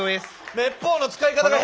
「めっぽう」の使い方が変だよ。